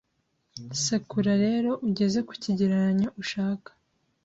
sekura rero ugeze ku kigereranyo ushaka